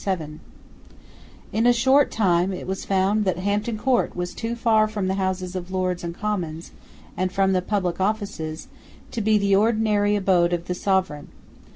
In a short time it was found that Hampton Court was too far from the Houses of Lords and Commons, and from the public offices, to be the ordinary abode of the Sovereign.